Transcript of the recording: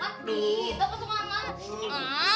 wakti gak pasok lama lama